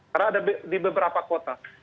karena ada di beberapa kota